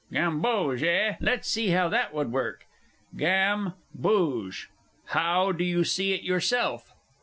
Gamboge, eh? Let's see how that would work: "Gam" "booge." How do you see it yourself?